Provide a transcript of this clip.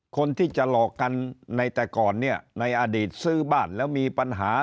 คนที่จะหลอกกันในแต่ก่อนเนี่ยในอดีตซื้อบ้านแล้วมีปัญหา